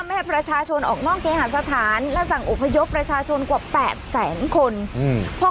ให้ประชาชนออกนอกเคหาสถานและสั่งอพยพประชาชนกว่าแปดแสนคนอืม